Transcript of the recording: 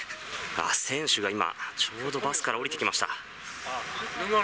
選手が今、ちょうどバスから降りてきました。